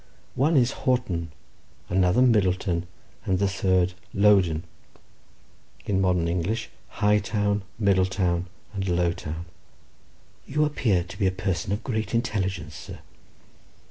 One is Houghton, another Middleton, and the third Lowdon; in modern English, Hightown, Middletown, and Lowtown." "You appear to be a person of great intelligence, sir."